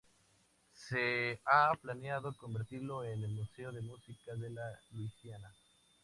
Se ha planeado convertirlo en el Museo de Música de la Luisiana.